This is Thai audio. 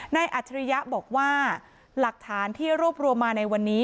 อัจฉริยะบอกว่าหลักฐานที่รวบรวมมาในวันนี้